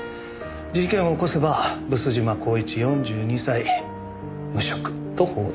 事件を起こせば「毒島幸一４２歳無職」と報道される。